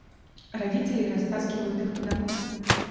Родители растаскивают их по домам.